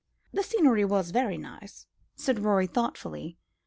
"The scenery was very nice," said Rorie thoughtfully.